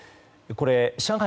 上海